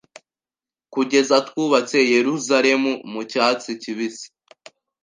Kugeza twubatse Yeruzalemu Mu cyatsi kibisi